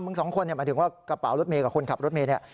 สองคนหมายถึงว่ากระเป๋ารถเมย์กับคนขับรถเมย์เนี่ย